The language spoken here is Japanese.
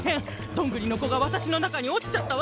どんぐりのこがわたしのなかにおちちゃったわ。